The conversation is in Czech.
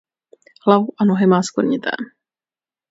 Hlavu a nohy má skvrnité.